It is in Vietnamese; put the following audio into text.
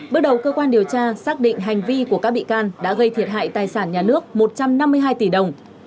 bước đầu cơ quan điều tra xác định hành vi của các bị can đã gây thiệt hại tài sản nhà nước một trăm năm mươi hai tỷ đồng